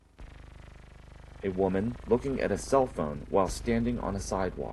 A woman looking at a cellphone while standing on a sidewalk.